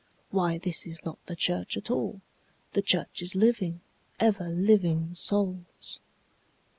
Why this is not the church at all the church is living, ever living souls.")